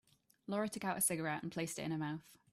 Laura took out a cigarette and placed it in her mouth.